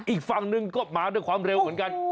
อีกฝั่งหนึ่งก็มาด้วยความเร็วเหมือนกัน